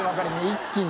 一気に。